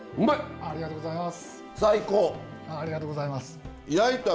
ありがとうございます。